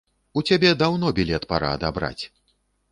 У цябе даўно білет пара адабраць.